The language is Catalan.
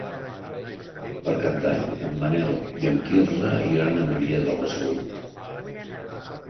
Per Cap d'Any en Manel i en Quirze iran a Maria de la Salut.